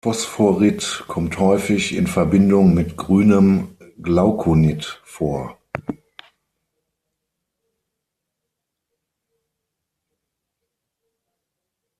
Phosphorit kommt häufig in Verbindung mit grünem Glaukonit vor.